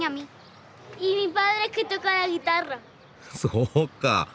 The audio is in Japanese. そうか。